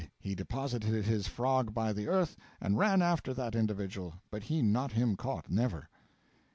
He deposited his frog by the earth and ran after that individual, but he not him caught never.